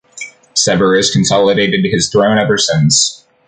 Severus consolidated his throne ever since.